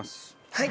はい。